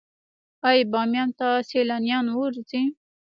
آیا بامیان ته سیلانیان ورځي؟